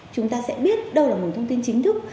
chúng ta sẽ biết đâu là nguồn thông tin chính thức